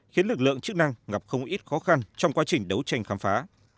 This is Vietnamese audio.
khiến lực lượng chức năng gặp không ít khó khăn trong quá trình đấu tranh khám phá